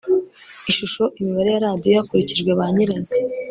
Ishusho Imibare ya radiyo hakurikijwe ba nyirazo